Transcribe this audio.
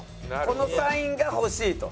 このサインが欲しいと。